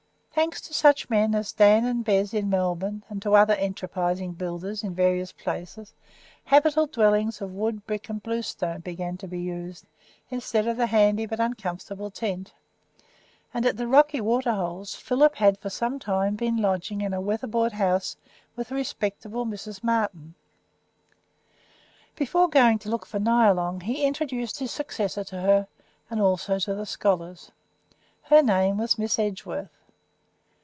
Thanks to such men as Dan and Bez, in Melbourne, and to other enterprising builders in various places, habitable dwellings of wood, brick, and bluestone began to be used, instead of the handy but uncomfortable tent, and, at the Rocky Waterholes, Philip had for some time been lodging in a weatherboard house with the respectable Mrs. Martin. Before going to look for Nyalong he introduced his successor to her, and also to the scholars. Her name was Miss Edgeworth.